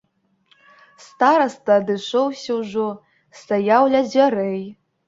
Стараста адышоўся ўжо, стаяў ля дзвярэй.